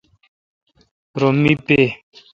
رو می پے۔